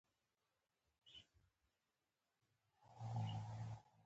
د هغو تللیو خبر بیا چا رانه وړ.